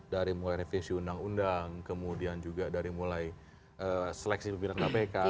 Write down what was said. dari mulai revisi undang undang kemudian juga dari mulai seleksi pimpinan kpk